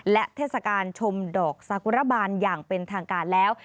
และเทศกาลชมดอกสากุระบาลอย่างเป็นทางการแล้ว